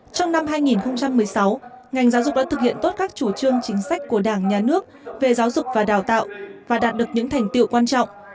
trong năm hai nghìn một mươi sáu ngành giáo dục đã thực hiện tốt các chủ trương chính sách của đảng nhà nước về giáo dục và đào tạo và đạt được những thành tiệu quan trọng